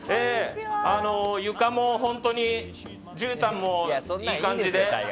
床も、じゅうたんもいい感じで。